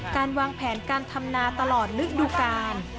การวางแผนการทำนาตลอดฤดูกาล